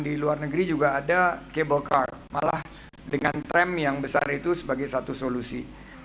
di luar negeri juga ada cable card malah dengan tram yang besar itu sebagai satu solusi